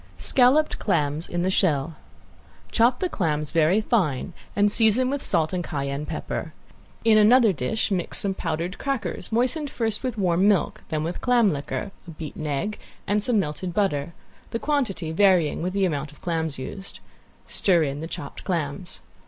~SCALLOPED CLAMS IN SHELL~ Chop the clams very fine and season with salt and cayenne pepper. In another dish mix some powdered crackers, moistened first with warm milk, then with clam liquor, a beaten egg and some melted butter, the quantity varying with the amount of clams used; stir in the chopped clams.